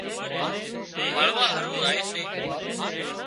مۯوا هارو زائي سي